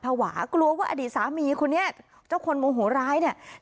ภาวะกลัวว่าอดีตสามีคนนี้เจ้าคนโมโหร้ายเนี่ย